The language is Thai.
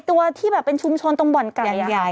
ตัวที่แบบเป็นชุมชนตรงบ่อนไก่ใหญ่